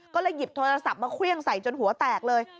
ก็เลยหยิบโทรศัพท์มาเครื่องใส่จนหัวแตกเลย